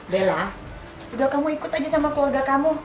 bella juga kamu ikut aja sama keluarga kamu